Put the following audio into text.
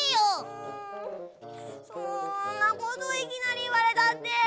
うんそんなこといきなりいわれたって。